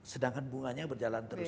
sedangkan bunganya berjalan terus